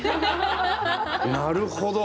なるほど！